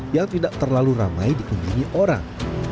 yang tidak terlalu ramai dikunjungi orang